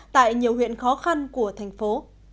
tại nhiều huyện khó khăn của thành phố